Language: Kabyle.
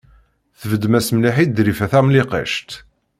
Tbeddem-as mliḥ i Ḍrifa Tamlikect.